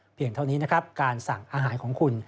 เพียงเท่านี้การสั่งอาหารของคุณ